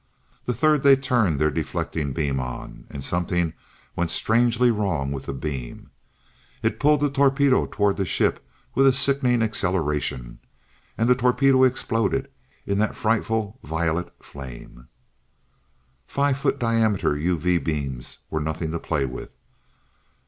The third they turned their deflecting beam on and something went strangely wrong with the beam. It pulled that torpedo toward the ship with a sickening acceleration and the torpedo exploded in that frightful violet flame. Five foot diameter UV beams are nothing to play with.